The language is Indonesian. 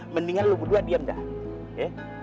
mendingan lu berdua diam dah